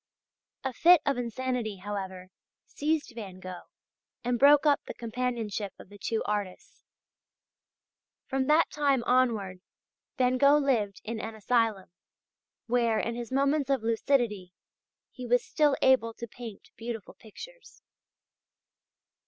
A fit of insanity, however, seized Van Gogh and broke up the companionship of the two artists. From that time onward, Van Gogh lived in an asylum, where in his moments of lucidity he was still able to paint beautiful pictures.